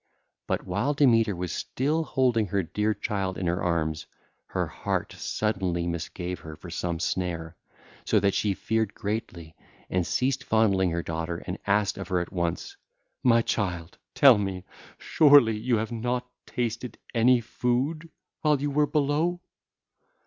But while Demeter was still holding her dear child in her arms, her heart suddenly misgave her for some snare, so that she feared greatly and ceased fondling her daughter and asked of her at once: 'My child, tell me, surely you have not tasted any food while you were below?